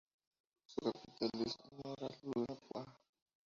Su capital es Anuradhapura.